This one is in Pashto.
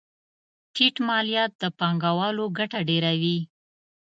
ټیټ مالیات د پانګوالو ګټه ډېروي.